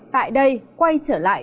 tại đây quay trở lại